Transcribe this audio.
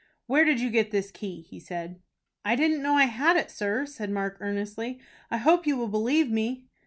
"Where did you get this key?" he said. "I didn't know I had it, sir," said Mark, earnestly. "I hope you will believe me."